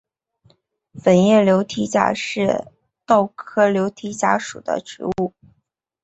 粉叶羊蹄甲是豆科羊蹄甲属的植物。